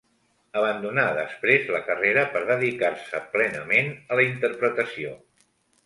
Abandonà després la carrera per dedicar-se plenament a la interpretació.